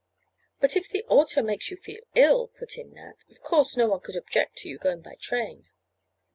"But if the auto makes you feel ill," put in Nat, "of course no one could object to you going by train."